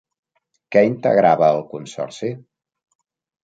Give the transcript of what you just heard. Què integrava el consorci?